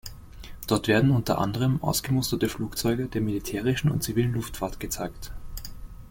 Dort werden unter anderem ausgemusterte Flugzeuge der militärischen und zivilen Luftfahrt gezeigt.